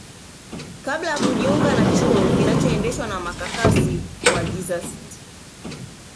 kabla ya kujiunga na chuo kinachoendeshwa na makasisi wa Jesuit